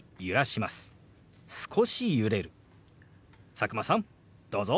佐久間さんどうぞ！